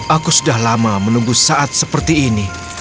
aku sudah lama menunggu saat seperti ini